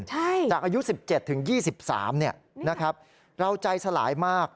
ใช่จากอายุ๑๗ถึง๒๓นะครับเราใจสลายมาก